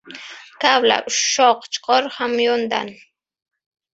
Kavla, ushshoq chiqar hamyondan.